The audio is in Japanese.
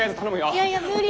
いやいや無理です！